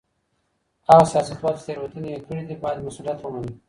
هغه سياستوال چي تېروتني يې کړې دي بايد مسؤليت ومني.